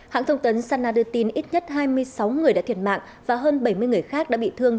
hãng thông tấn sana đưa tin ít nhất hai mươi sáu người đã thiệt mạng và hơn bảy mươi người khác đã bị thương